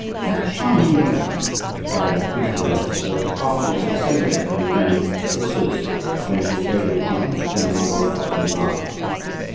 "A charming work," remarked the beautiful girl who was afterwards so celebrated under the name of Fosseuse when she was lady of honor to Queen Marguerite of Navarre.